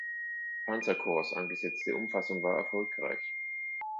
Panzerkorps angesetzte Umfassung war erfolgreich.